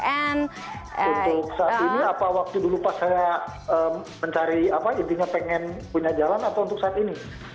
untuk saat ini apa waktu dulu pas saya mencari apa intinya pengen punya jalan atau untuk saat ini